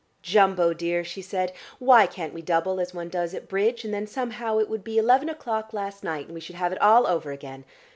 "Jumbo, dear," she said, "why can't we double as one does at bridge, and then somehow it would be eleven o 'clock last night, and we should have it all over again?